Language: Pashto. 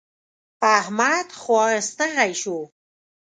احمد خوا ستغی شو.